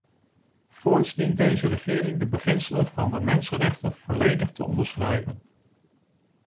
Voorts dient deze regering de beginselen van de mensenrechten volledig te onderschrijven.